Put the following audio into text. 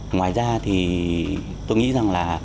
ngoài ra thì tôi nghĩ rằng là